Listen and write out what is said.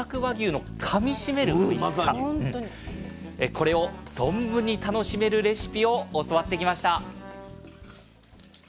これを存分に楽しめるレシピを教わってきました。